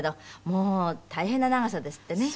もう大変な長さですってね。